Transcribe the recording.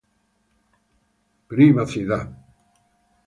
Privacidad